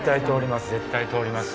絶対通ります。